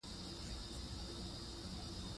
سیندونه د افغانستان په ستراتیژیک اهمیت کې رول لري.